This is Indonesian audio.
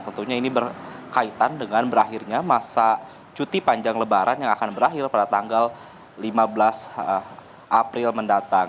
tentunya ini berkaitan dengan berakhirnya masa cuti panjang lebaran yang akan berakhir pada tanggal lima belas april mendatang